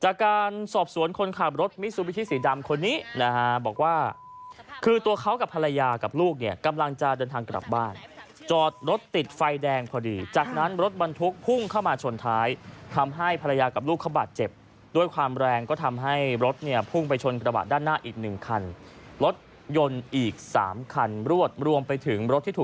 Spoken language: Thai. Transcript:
จากการสอบสวนคนขับรถมิซูบิชิสีดำคนนี้นะฮะบอกว่าคือตัวเขากับภรรยากับลูกเนี่ยกำลังจะเดินทางกลับบ้านจอดรถติดไฟแดงพอดีจากนั้นรถบรรทุกพุ่งเข้ามาชนท้ายทำให้ภรรยากับลูกเขาบาดเจ็บด้วยความแรงก็ทำให้รถเนี่ยพุ่งไปชนกระบะด้านหน้าอีกหนึ่งคันรถยนต์อีก๓คันรวดรวมไปถึงรถที่ถูก